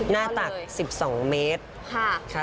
หน้าตัก๑๒เมตร